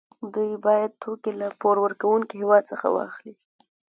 دوی باید توکي له پور ورکوونکي هېواد څخه واخلي